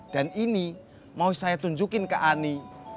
dan ini mau saya tunjukin ke ani